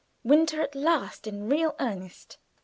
Winter at last in real earnest.